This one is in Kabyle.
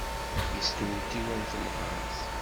Yestewtiw am temɣart.